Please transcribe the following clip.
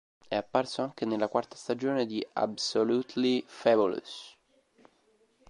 È apparso anche nella quarta stagione di "Absolutely Fabulous".